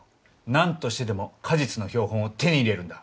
何としてでも果実の標本を手に入れるんだ。